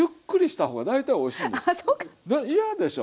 嫌でしょ。